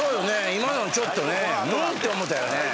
今のはちょっとねんっ？って思うたよね。